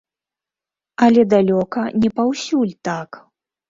Але далёка не паўсюль так.